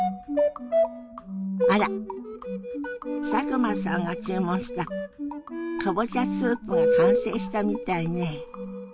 あら佐久間さんが注文したかぼちゃスープが完成したみたいね。